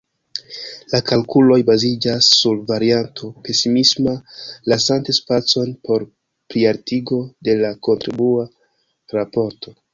La kalkuloj baziĝas sur varianto pesimisma, lasante spacon por plialtigo de la kontribua raporto.